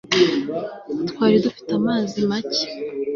twari dufite amazi make